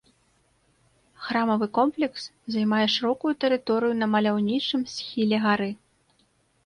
Храмавы комплекс займае шырокую тэрыторыю на маляўнічым схіле гары.